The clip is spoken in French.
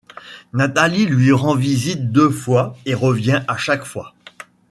Nathalie lui rend visite deux fois et revient à chaque fois.